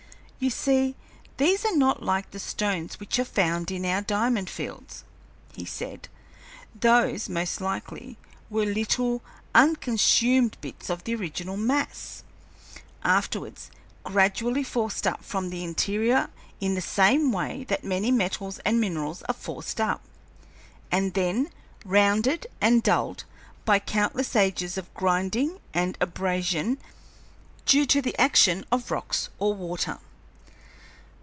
"You see, these are not like the stones which are found in our diamond fields," he said. "Those, most likely, were little, unconsumed bits of the original mass, afterwards gradually forced up from the interior in the same way that many metals and minerals are forced up, and then rounded and dulled by countless ages of grinding and abrasion, due to the action of rocks or water."